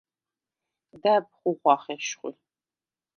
და̈ბ ხუღუ̂ახ ეშხუ̂ი.